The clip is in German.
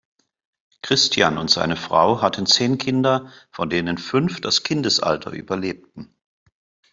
Christian und seine Frau hatten zehn Kinder, von denen fünf das Kindesalter überlebten.